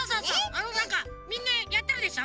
あのなんかみんなやってるでしょ？